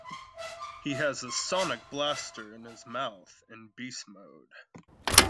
He has a sonic blaster in his mouth in beast mode.